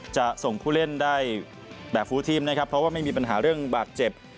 จะส่งผู้เล่นได้แบบฟูทีมนะครับเพราะว่าไม่มีปัญหาเรื่องบาดเจ็บ